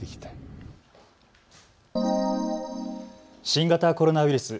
新型コロナウイルス。